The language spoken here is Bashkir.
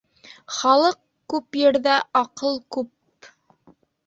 Халыҡ күп ерҙә аҡыл күп.